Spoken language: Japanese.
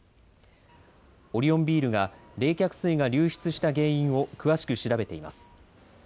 オリオンビールが冷却水が流出した原因を詳しく調べています。